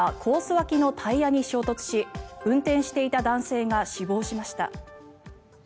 脇のタイヤに衝突し運転していた男性が死亡しました。